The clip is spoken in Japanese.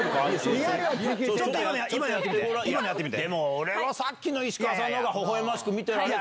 俺はさっきの石川さんのほうがほほ笑ましく見てられた。